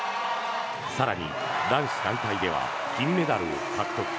更に男子団体では金メダルを獲得。